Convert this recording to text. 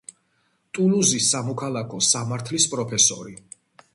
ტულუზის სამოქალაქო სამართლის პროფესორი.